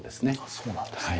そうなんですね。